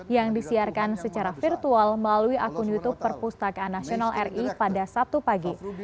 yang disiarkan secara virtual melalui akun youtube perpustakaan nasional ri pada sabtu pagi